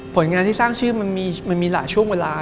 ผลงานที่สร้างชื่อมันมีหลายช่วงเวลา